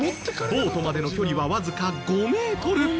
ボートまでの距離はわずか５メートル。